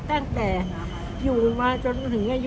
ตั้งแต่อยู่มาจนถึงอายุ๖๐เนี่ย